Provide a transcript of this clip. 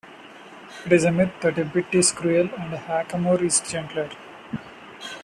It is a myth that a bit is cruel and a hackamore is gentler.